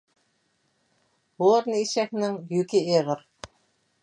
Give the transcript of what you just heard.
ھۇرۇن ئېشەكنىڭ يۈكى ئېغىر.